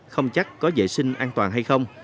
không chắc có vệ sinh an toàn hay không